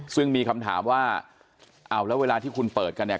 ซึ่งมีคำถามว่าเอาแล้วเวลาที่คุณเปิดกันเนี่ย